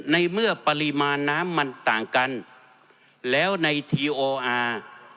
ในเมื่อปริมาณน้ำมันต่างกันแล้วในทีโออาร์